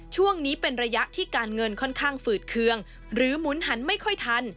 ช่วงนี้เป็นระยะที่การเงินค่อนข้างฝืดเคืองหรือหมุนหันไม่ค่อยทัน